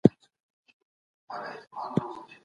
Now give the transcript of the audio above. موږ د خپلو غازيانو ياد تل تازه ساتو.